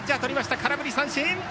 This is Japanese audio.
空振り三振。